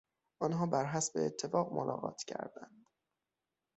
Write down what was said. آنها برحسب اتفاق ملاقات کردند.